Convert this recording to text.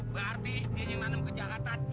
berarti dia yang nanem kejahatan